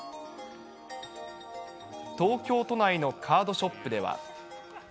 東京都内のカードショップでは。